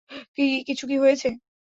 কিছু কি হয়েছে?